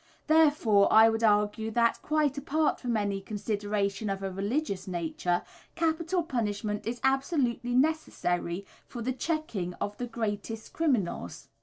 Therefore I would argue that, quite apart from any consideration of a religious nature, capital punishment is absolutely necessary for the checking of the greatest criminals.